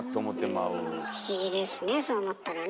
不思議ですねそう思ったらね。